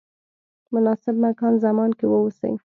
مناسب مکان زمان کې واوسئ.